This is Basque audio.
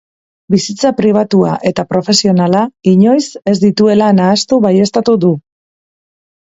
Bizitza pribatua eta profesionala inoiz ez dituela nahastu baieztatu du.